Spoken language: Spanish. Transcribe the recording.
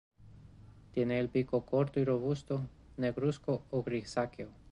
Tiene el pico corto y robusto, negruzco o grisáceo.